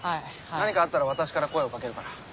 何かあったら私から声をかけるから。